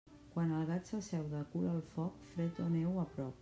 Quan el gat s'asseu de cul al foc, fred o neu a prop.